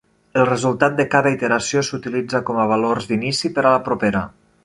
El resultat de cada iteració s'utilitza com a valors d'inici per a la propera.